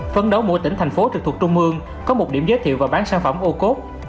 phấn đấu mỗi tỉnh thành phố trực thuộc trung mương có một điểm giới thiệu và bán sản phẩm ô cốt